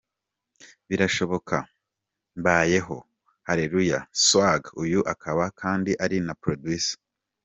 birashoboka, Mbayeho, Haleluya swaga uyu akaba kandi ari na Producer.